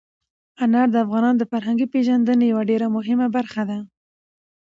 انار د افغانانو د فرهنګي پیژندنې یوه ډېره مهمه برخه ده.